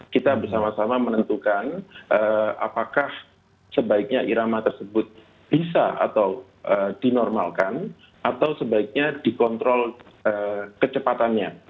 kita bersama sama menentukan apakah sebaiknya irama tersebut bisa atau dinormalkan atau sebaiknya dikontrol kecepatannya